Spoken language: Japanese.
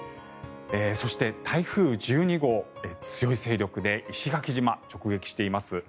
そして、台風１２号強い勢力で石垣島を直撃しています。